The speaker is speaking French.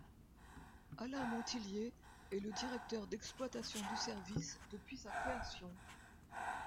Alain Montillier est le directeur d'exploitation du service depuis sa création.